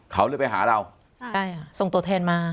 เขาเลยไปหาเราใช่ค่ะส่งตัวแทนมา